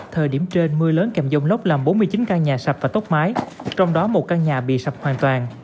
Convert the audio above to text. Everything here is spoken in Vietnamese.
thời điểm trên mưa lớn kèm dông lốc làm bốn mươi chín căn nhà sập và tốc mái trong đó một căn nhà bị sập hoàn toàn